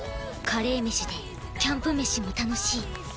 カレーメシでキャンプ飯も楽しい！